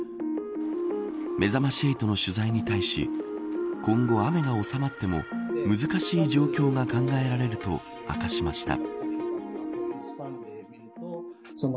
めざまし８の取材に対し今後、雨が収まっても難しい状況が考えられると明かしました。